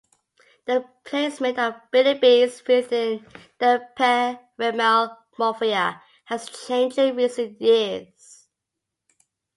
The placement of bilbies within the Peramelemorphia has changed in recent years.